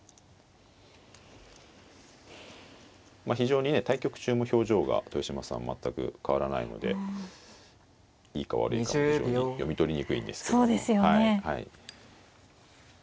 まあ非常にね対局中も表情が豊島さん全く変わらないのでいいか悪いかも非常に読み取りにくいんですけれども。